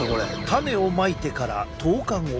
種をまいてから１０日後。